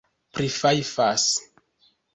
prifajfas